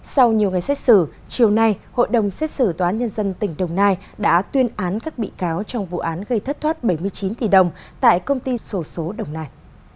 sau nhiều ngày xét xử chiều nay hội đồng xét xử tòa án nhân dân tỉnh đồng nai đã tuyên án các bị cáo trong vụ án gây thất thoát bảy mươi chín tỷ đồng tại công ty sổ số đồng nai